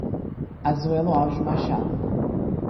Asuelo Alves Machado